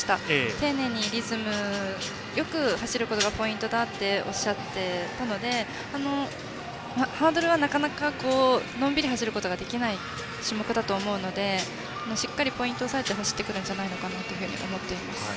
丁寧にリズムよく走ることがポイントだとおっしゃっていたのでハードルはなかなかのんびり走ることができない種目だと思うのでしっかりポイントを押さえて走ってくるんじゃないのかなと思っています。